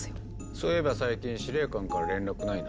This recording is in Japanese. そういえば最近司令官から連絡ないな。